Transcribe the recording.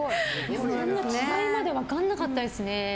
そんな違いまで分からなかったですね。